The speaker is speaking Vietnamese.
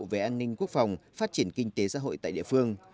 về an ninh quốc phòng phát triển kinh tế xã hội tại địa phương